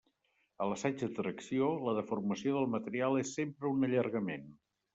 A l'assaig de tracció, la deformació del material és sempre un allargament.